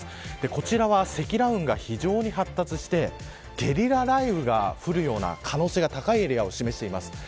こちら、積乱雲が非常に発達してゲリラ雷雨が降るような可能性が高いエリアを示してます。